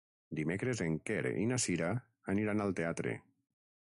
Dimecres en Quer i na Cira aniran al teatre.